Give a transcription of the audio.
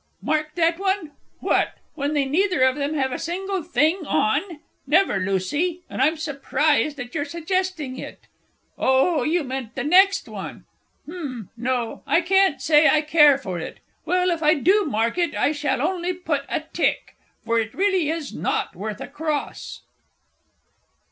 Mark that one? What, when they neither of them have a single thing on! Never, Lucy, and I'm surprised at your suggesting it! Oh, you meant the next one? h'm no, I can't say I care for it. Well, if I do mark it, I shall only put a tick for it really is not worth a cross!